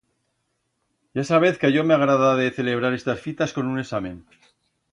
Ya sabez que a yo m'agrada de celebrar estas fitas con un examen.